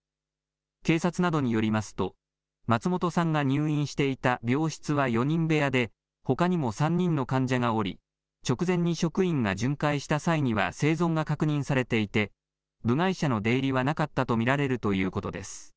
警察などによりますと松元さんが入院していた病室は４人部屋でほかにも３人の患者がおり、直前に職員が巡回した際には生存が確認されていて部外者の出入りはなかったと見られるということです。